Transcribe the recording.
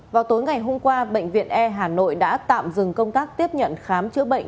vào tối ngày hôm qua bệnh viện e hà nội đã tạm dừng công tác tiếp nhận khám chữa bệnh